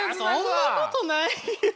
そんなことないよ。